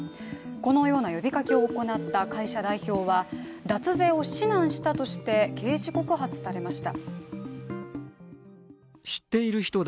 このような呼びかけを行った会社代表は脱税を指南したとして刑事告発されました。